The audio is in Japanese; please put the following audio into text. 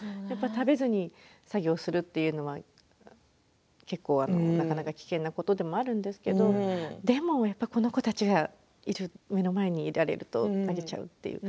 食べずに作業するというのはなかなか危険なことでもあるんですけれどでもやっぱりこの子たちがいる目の前にいられるとあげちゃうという。